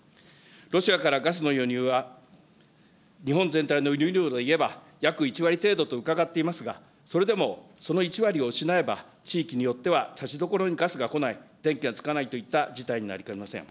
ロシアからガスの輸入は日本全体の輸入量でいえば、約１割程度と伺っていますが、それでもその１割を失えば、地域によってはたちどころにガスが来ない、電気がつかないといった事態になりかねません。